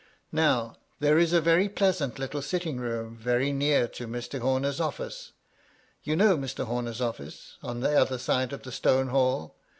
Now, there is a very pleasant little sitting room very near to Mr. Homer's office (you know Mr. Homer's office ? on the other side of the stone hall